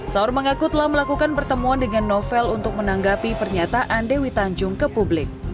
saur mengaku telah melakukan pertemuan dengan novel untuk menanggapi pernyataan dewi tanjung ke publik